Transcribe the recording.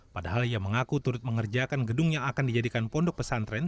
padahal ia mengaku turut mengerjakan gedung yang akan dijadikan pondok pesantren